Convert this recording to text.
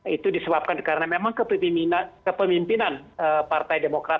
itu disebabkan karena memang kepemimpinan partai demokrat